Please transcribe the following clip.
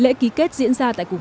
lễ ký kết diễn ra tại cùng